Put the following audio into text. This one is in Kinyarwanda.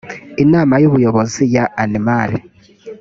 inama y ubuyobozi ya inmr